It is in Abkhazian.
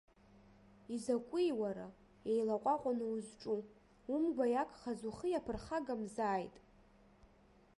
Изакәи, уара, еилаҟәаҟәаны узҿу, умгәа иагхаз ухы иаԥырхагамхазааит?!